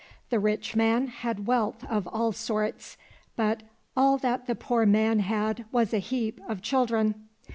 The rich man had wealth of all sorts, but all that the poor man had was a heap of children.